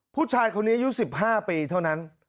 ผู้ชายคนนี้อายุ๑๕ปีเท่านั้น